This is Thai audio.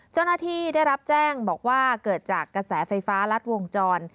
เจ้าหน้าที่ได้รับแจ้งบอกว่าเกิดจากกระแสไฟฟ้ารัดวงจร